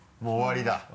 もう終わりだ。